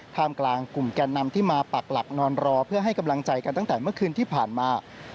กลางกลุ่มแก่นนำที่มาปักหลักนอนรอเพื่อให้กำลังใจกันตั้งแต่เมื่อคืนที่ผ่านมา